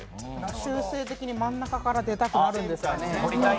習性的に真ん中から出たくなるんですかね。